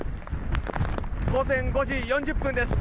午前５時４０分です。